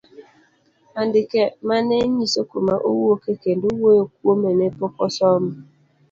Andike mane ng'iso kuma owuoke kendo wuoyo kuome ne pok osomo.